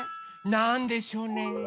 なんでしょうね？